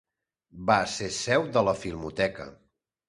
Va ser seu de la Filmoteca.